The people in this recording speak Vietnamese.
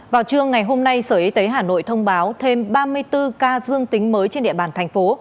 vào trưa ngày hôm nay sở y tế hà nội thông báo thêm ba mươi bốn ca dương tính mới trên địa bàn thành phố